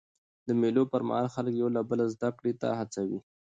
د مېلو پر مهال خلک یو له بله زدهکړي ته هڅوي.